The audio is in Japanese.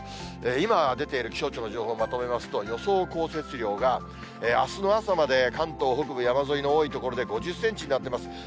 今出ている気象庁の情報をまとめますと、予想降雪量があすの朝まで関東北部山沿いの多い所で５０センチになってます。